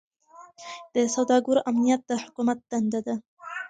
د سوداګرو امنیت د حکومت دنده ده.